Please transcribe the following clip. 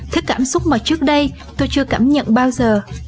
thế cảm xúc mà trước đây tôi chưa cảm nhận bao giờ